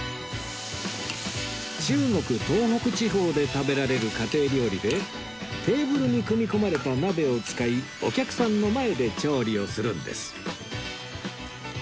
中国東北地方で食べられる家庭料理でテーブルに組み込まれた鍋を使いお客さんの前で調理をするんです